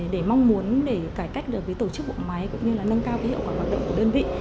để mong muốn cải cách đối với tổ chức bộ máy cũng như nâng cao hiệu quả hoạt động của đơn vị